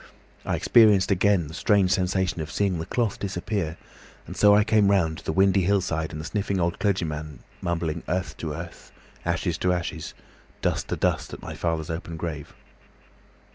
I experienced again the strange sensation of seeing the cloth disappear, and so I came round to the windy hillside and the sniffing old clergyman mumbling 'Earth to earth, ashes to ashes, dust to dust,' at my father's open grave.